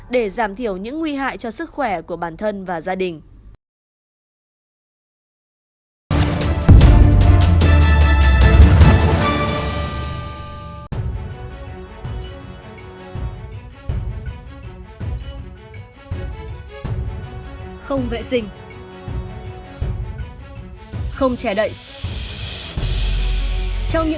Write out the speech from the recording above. để giảm thiểu những nguy hại cho sức khỏe của bản thân và gia đình